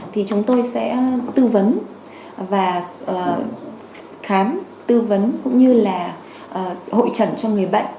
thì chúng tôi sẽ tư vấn và khám tư vấn cũng như là hội trần cho người bệnh